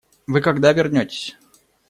Вы когда вернетесь?